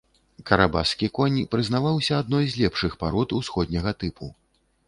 Карабахскі конь прызнаваўся адной з лепшых парод усходняга тыпу.